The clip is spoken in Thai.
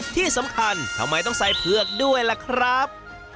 ที่สำคัญทำไมต้องใส่เผือกด้วยล่ะครับ